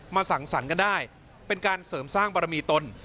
สั่งสรรค์กันได้เป็นการเสริมสร้างบารมีตน